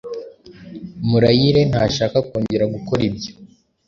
Murayire ntashaka kongera gukora ibyo.